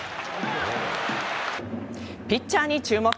ピッチャーに注目。